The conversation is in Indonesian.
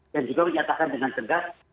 dan juga menyatakan dengan cegat